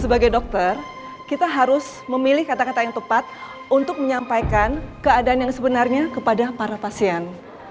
sebagai dokter kita harus memilih kata kata yang tepat untuk menyampaikan keadaan yang sebenarnya kepada para pasien